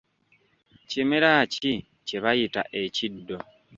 Kimera ki kye bayita ekiddo?